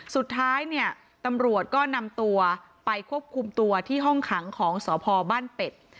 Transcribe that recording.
สุดท้ายเนี่ยตำรวจก็นำตัวไปควบคุมตัวที่ห้องขังของสพบ้านเป็ด